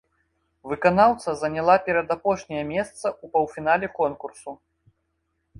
Выканаўца заняла перадапошняе месца ў паўфінале конкурсу.